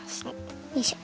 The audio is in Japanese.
よいしょ。